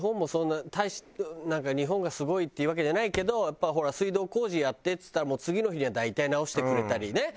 なんか日本がすごいっていうわけじゃないけどやっぱりほら水道工事やってっつったらもう次の日には大体直してくれたりね。